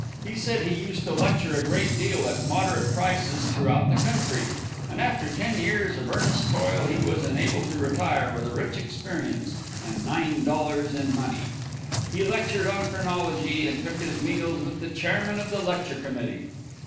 He said he used to lecture a great deal at moderate prices throughout the country, and after ten years of earnest toil he was enabled to retire with a rich experience and $9 in money. He lectured on phrenology and took his meals with the chairman of the lecture committee.